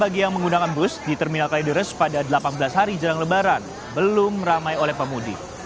bagi yang menggunakan bus di terminal kalideres pada delapan belas hari jelang lebaran belum ramai oleh pemudik